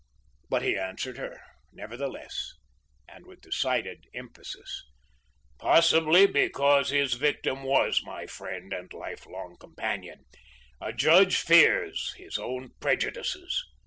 But he answered her nevertheless, and with decided emphasis: "Possibly because his victim was my friend and lifelong companion. A judge fears his own prejudices."